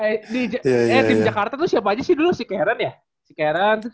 eh tim jakarta tuh siapa aja sih dulu si karen ya